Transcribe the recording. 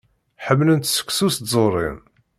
Ḥemmlent seksu s tẓuṛin.